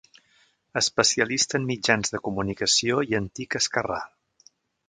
Especialista en mitjans de comunicació i antic "Esquerrà!